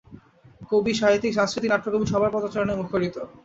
কবি, সাহিত্যিক, সাংস্কৃতিক, নাট্যকর্মী সবার পদচারণায় মুখরিত।